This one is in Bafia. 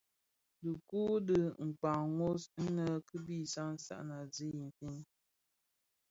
Dhiku u di kpaň wos, inne kibi sansan a zi infin,